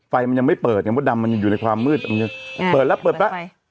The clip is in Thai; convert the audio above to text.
ไฟมันยังไม่เปิดเหมือนว่าดำมันยังอยู่ในความมืดมันยังเปิดแล้วเปิดแล้ว